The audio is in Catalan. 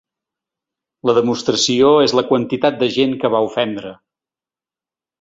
La demostració és la quantitat de gent que va ofendre.